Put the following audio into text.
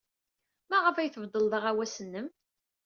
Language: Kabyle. Maɣef ay tbeddled aɣawas-nnem?